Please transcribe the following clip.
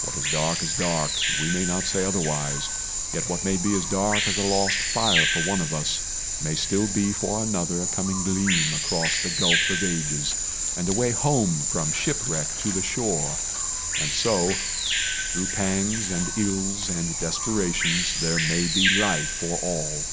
What is dark Is dark, and we may not say otherwise; Yet what may be as dark as a lost fire For one of us, may still be for another A coming gleam across the gulf of ages, And a way home from shipwreck to the shore; And so, through pangs and ills and desperations, There may be light for all.